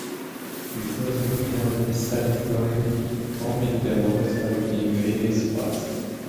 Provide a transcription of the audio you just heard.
Befores, the Mini Album "Start Forming The Words" has been released first.